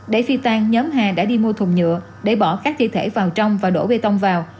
để phi tan nhóm hà đã đi mua thùng nhựa để bỏ các thi thể vào trong và đổ bê tông vào